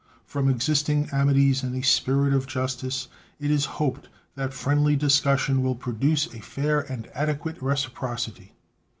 From existing amities and a spirit of justice it is hoped that friendly discussion will produce a fair and adequate reciprocity.